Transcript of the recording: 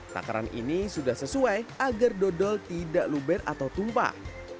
takaran ini sudah sesuai agar dodol tidak luber atau tumpah